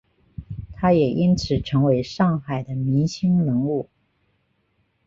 他也因此成为上海的明星人物。